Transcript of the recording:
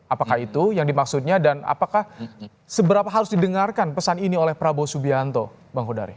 apakah itu yang dimaksudnya dan apakah seberapa harus didengarkan pesan ini oleh prabowo subianto bang hudari